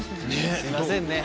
すみませんね。